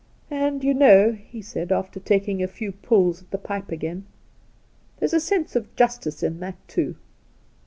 ' And you know,' he said, after taking a few pulls at the pipe again, ' there's a sense of justice in that, too.